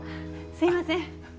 すいません。